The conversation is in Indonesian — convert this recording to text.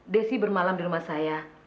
desi bermalam di rumah saya